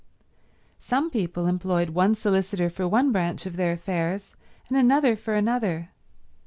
Some people employed one solicitor for one branch of their affairs, and another for another.